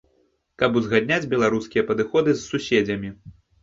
Каб узгадняць беларускія падыходы з суседзямі.